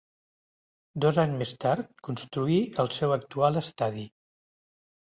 Dos anys més tard construí el seu actual estadi.